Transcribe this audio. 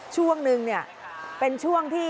ช่วงนึงเป็นช่วงที่คุณหญิงสุดาฤทธิ์